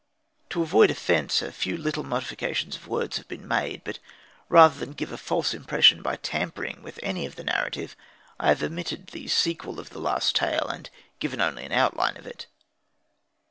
To avoid offence a few little modifications of words have been made; but rather than give a false impression by tampering with any of the narrative, I have omitted the sequel of the last tale and given only an outline of it.